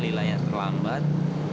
lila yang terlambat